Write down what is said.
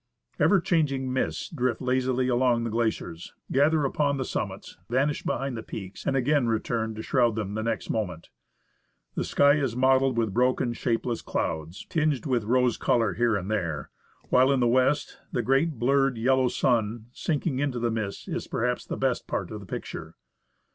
' Vide note at page 118. 105 THE ASCENT OF MOUNT ST. ELIAS Ever changing mists drift lazily along the glaciers, gather upon the summits, vanish behind the peaks, and again return to shroud them the next moment. The sky is mottled with broken, shapeless clouds, tinged with rose colour here and there, while in the west the great blurred, yellow sun sinking into the mists is perhaps the best part of the picture.